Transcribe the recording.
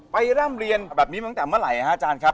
ร่ำเรียนแบบนี้มาตั้งแต่เมื่อไหร่ฮะอาจารย์ครับ